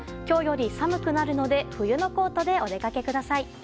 今日より寒くなるので冬のコートでお出かけください。